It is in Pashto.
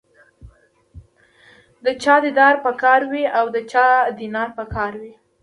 د چا دیدار په کار وي او د چا دینار په کار وي.